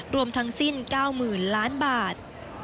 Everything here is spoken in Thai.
รวมทั้งสิ้น๙๐๐๐ล้านบาท